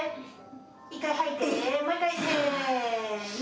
一回吐いて、もう一回、せの。